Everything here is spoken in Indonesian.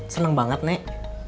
senang banget nek